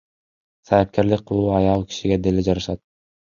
Саяпкерлик кылуу аял кишиге деле жарашат